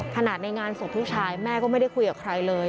ในงานศพลูกชายแม่ก็ไม่ได้คุยกับใครเลย